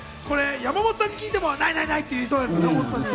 山本さんに聞いても、ないないない！と言いそうですもんね。